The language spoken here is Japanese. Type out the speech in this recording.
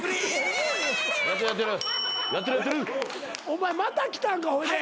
お前また来たんかほいで。